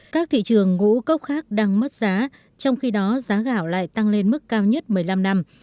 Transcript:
các thị trường ngũ cốc khác đang mất giá trong khi đó giá gạo lại tăng lên mức cao nhất một mươi năm năm